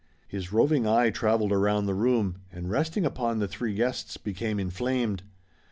His roving eye traveled around the room, and, resting upon the three guests, became inflamed.